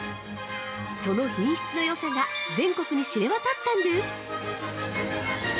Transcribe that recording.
その品質のよさが全国に知れ渡ったんです。